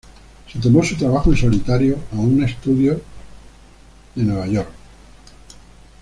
Se tomó su trabajo en solitario a un estudio de Nueva York.